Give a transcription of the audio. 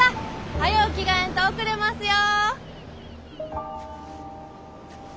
早う着替えんと遅れますよ！